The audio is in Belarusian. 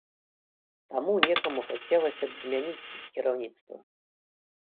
Таму некаму хацелася б змяніць тут кіраўніцтва.